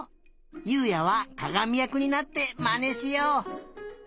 優海也はかがみやくになってまねしよう。